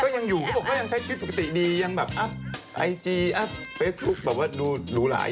ก็อย่างอยู่ก็อย่างใช้ชีวิตปกติดี